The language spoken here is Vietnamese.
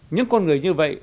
những con người như vậy